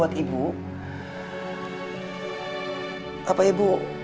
saya krijain bekas mak hertzarak